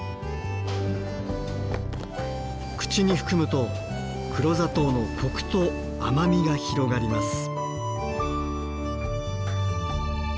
口に含むと黒砂糖のコクと甘みが広がります。